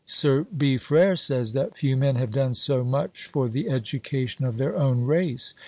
Sir B. Frere says that few men have done so much for the education of their own race.